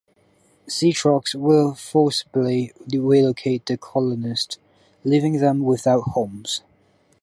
Zetrox will forcibly relocate the colonists, leaving them without homes.